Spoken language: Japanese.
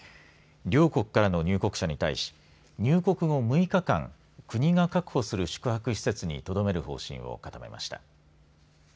両国からの入国者に対し入国後６日間国が確保する宿泊施設にとどめる方針を固めました。